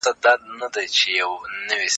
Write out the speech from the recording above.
تاريخ پوه د پېښو استثنايي اړخونه لټوي.